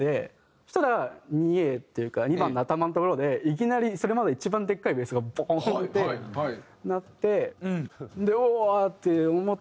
そしたら２Ａっていうか２番の頭のところでいきなりそれまでで一番でかいベースがボーン！って鳴っておお！って思って。